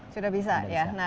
sudah bisa ya